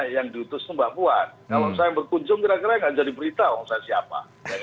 yang diutus itu mbak puan kalau saya yang berkunjung kira kira nggak jadi berita oh saya siapa